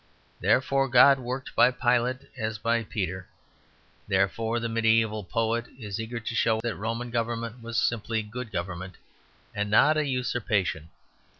Therefore God worked by Pilate as by Peter. Therefore the mediæval poet is eager to show that Roman government was simply good government, and not a usurpation.